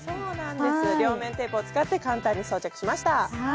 両面テープを使って簡単に装着しました。